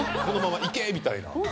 このまま「行け」みたいな。